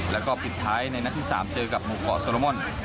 แล้วก็ปิดท้ายในนัดที่๓เจอกับหมู่เกาะโซโลมอน